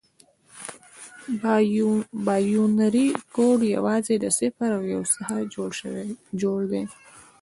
بایونري کوډ یوازې د صفر او یو څخه جوړ دی.